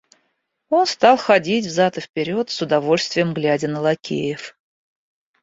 Он стал ходить взад и вперед, с удовольствием глядя на лакеев.